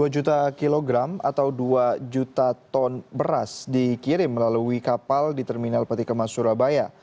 dua juta kilogram atau dua juta ton beras dikirim melalui kapal di terminal petikemas surabaya